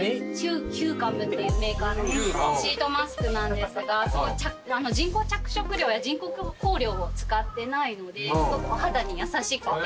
ＨＵＥＣＡＬＭっていうメーカーのシートマスクなんですが人工着色料や人工香料を使ってないのですごくお肌に優しくて。